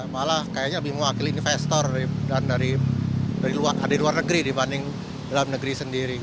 malah kayaknya lebih mewakili investor dan dari luar negeri dibanding dalam negeri sendiri